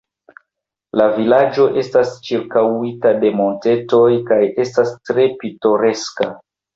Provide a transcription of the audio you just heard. La vilaĝo estas ĉirkaŭita de montetoj kaj estas tre pitoreska.